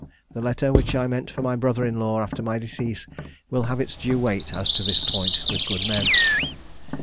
The letter which I meant for my brother in law after my decease will have its due weight as to this point with good men.